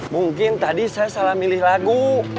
mungkin tadi saya salah milih lagu